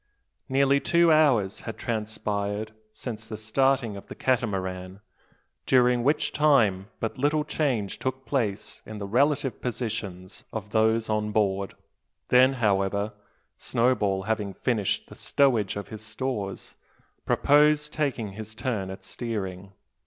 Nearly two hours had transpired since the starting of the Catamaran, during which time but little change took place in the relative positions of those on board. Then, however, Snowball having finished the stowage of his stores, proposed taking his turn at steering.